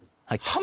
はい。